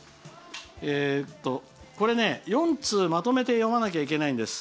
これ、４通まとめて読まなきゃいけないんです。